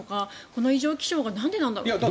この異常気象がなんでなんだろうって。